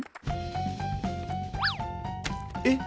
えっ！